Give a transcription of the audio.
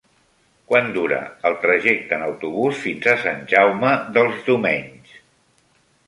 Quant dura el trajecte en autobús fins a Sant Jaume dels Domenys?